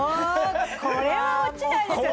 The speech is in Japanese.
これは落ちないですよ